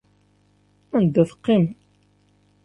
Anda teqqimem?